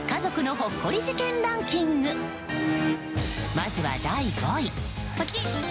まずは、第５位。